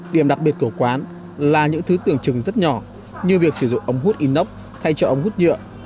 điểm đặc biệt của quán là những thứ tưởng chừng rất nhỏ như việc sử dụng ống hút inox thay cho ống hút nhựa